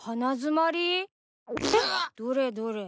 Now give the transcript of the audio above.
どれどれ？